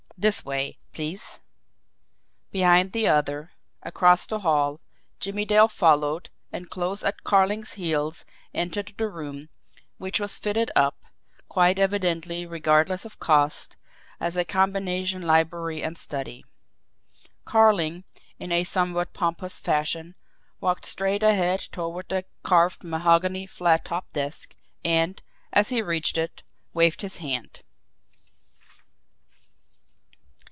"This way, please." Behind the other, across the hall, Jimmie Dale followed and close at Carling's heels entered the room, which was fitted up, quite evidently regardless of cost, as a combination library and study. Carling, in a somewhat pompous fashion, walked straight ahead toward the carved mahogany flat topped desk, and, as he reached it, waved his hand.